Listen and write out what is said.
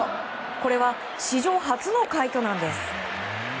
これは史上初の快挙なんです。